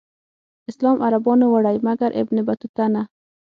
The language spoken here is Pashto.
اسلام عربانو وړی مګر ابن بطوطه نه.